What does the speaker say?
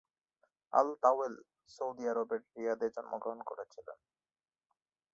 আল-তাওয়েল সৌদি আরবের রিয়াদে জন্মগ্রহণ করেছিলেন।